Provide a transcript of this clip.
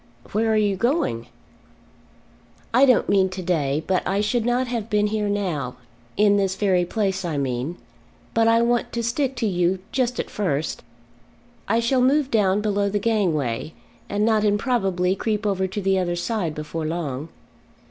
"Where are you going?" "I don't mean to day. But I should not have been here now, in this very place I mean, but I want to stick to you just at first. I shall move down below the gangway; and not improbably creep over to the other side before long."